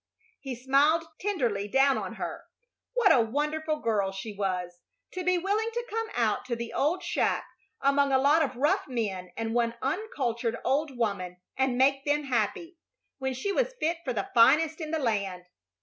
He smiled tenderly down on her. What a wonderful girl she was, to be willing to come out to the old shack among a lot of rough men and one uncultured old woman and make them happy, when she was fit for the finest in the land!